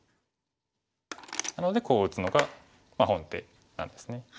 なのでこう打つのが本手なんですね。